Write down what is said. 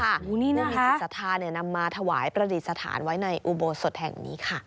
ว่ามีจิตสาธารณ์มีหวายประดิษฐานไว้ในอุโบสถแห่งนี้ค่ะ